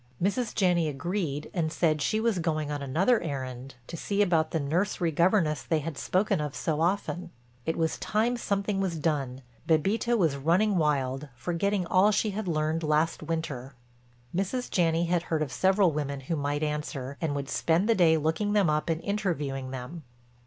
Mrs. Janney agreed and said she was going on another errand—to see about the nursery governess they had spoken of so often. It was time something was done, Bébita was running wild, forgetting all she had learned last winter. Mrs. Janney had heard of several women who might answer and would spend the day looking them up and interviewing them.